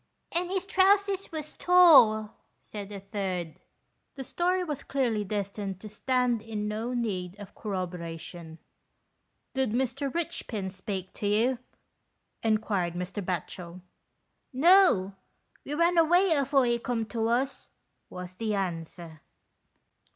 " And his trousers was tore," said a third. The story was clearly destined to stand in no need of corroboration. " Did Mr. Eichpin speak to you ?" enquired Mr. Batchel. " No, we run away afore he come to us," was the answer.